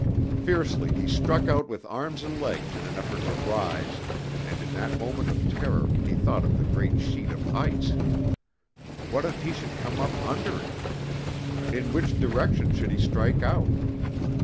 Fiercely he struck out with arms and legs in an effort to rise, and in that moment of terror he thought of the great sheet of ice. What if he should come up under it? In which direction should he strike out?